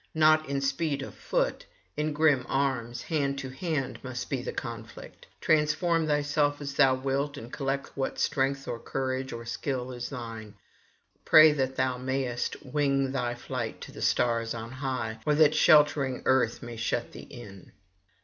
Not in speed of foot, in grim arms, hand to hand, must be the conflict. Transform thyself as thou wilt, and collect what strength of courage or skill is thine; pray that thou mayest wing thy flight to the stars on high, or that sheltering earth may shut thee in.'